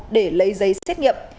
để lấy giấy xét nghiệm